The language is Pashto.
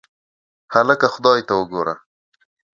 هکله خدای ته وګوره.